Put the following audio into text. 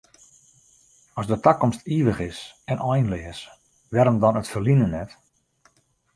As de takomst ivich is en einleas, wêrom dan it ferline net?